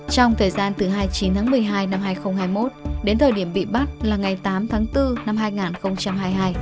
trong thời gian từ hai mươi chín tháng một mươi hai năm hai nghìn hai mươi một đến thời điểm bị bắt là ngày tám tháng bốn năm hai nghìn hai mươi hai